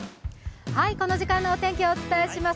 この時間のお天気をお伝えします。